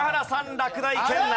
落第圏内。